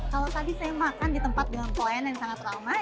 kalau tadi saya makan di tempat dengan pelayanan yang sangat ramai